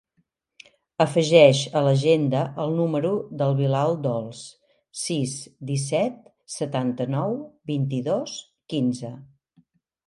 Afegeix a l'agenda el número del Bilal Dols: sis, disset, setanta-nou, vint-i-dos, quinze.